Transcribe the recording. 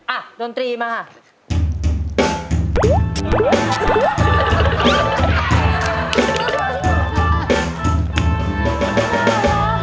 อ่ะดนตรีมาค่ะ